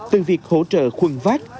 từ việc hỗ trợ khuân vác